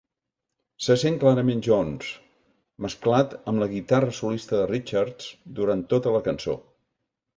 Se sent clarament Jones, mesclat amb la guitarra solista de Richards durant tota la cançó.